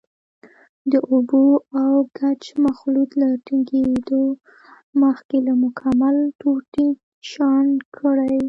د اوبو او ګچ مخلوط له ټینګېدو مخکې له ململ ټوټې چاڼ کړئ.